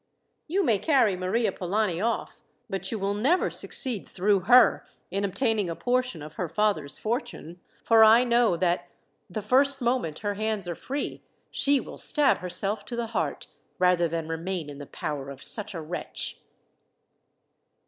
You may carry Maria Polani off, but you will never succeed through her in obtaining a portion of her father's fortune, for I know that, the first moment her hands are free, she will stab herself to the heart, rather than remain in the power of such a wretch."